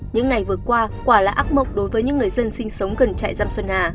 những ngày vừa qua quả là ác mộng đối với những người dân sinh sống gần trại giam xuân hà